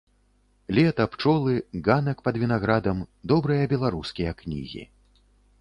Лета, пчолы, ганак пад вінаградам, добрыя беларускія кнігі.